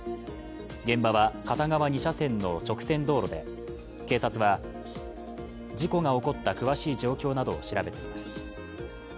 現場は片側２車線の直線道路で警察は事故が起こった詳しい状況などを調べています。